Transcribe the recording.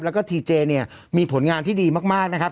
แล้วก็ทีเจเนี่ยมีผลงานที่ดีมากนะครับ